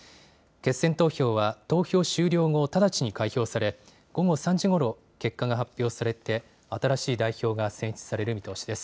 決選投票は投票終了後、直ちに開票され、午後３時ごろ、結果が発表されて、新しい代表が選出される見通しです。